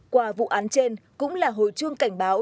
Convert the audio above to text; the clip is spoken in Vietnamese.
qua vụ án trên cũng là hồi chuông cảnh báo